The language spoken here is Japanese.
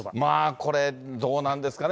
これ、どうなんですかね。